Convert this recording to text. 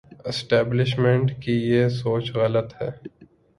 Establishment کی یہ سوچ غلط ہے۔